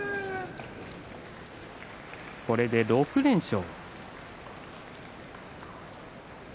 これで６連勝。